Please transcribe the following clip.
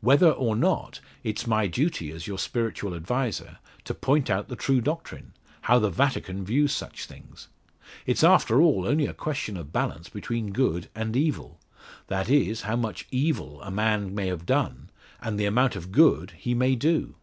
Whether or not it's my duty, as your spiritual adviser, to point out the true doctrine how the Vatican views such things. It's after all only a question of balance between good and evil; that is, how much evil a man may have done, and the amount of good he may do.